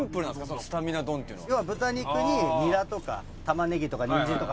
そのスタミナ丼っていうのは。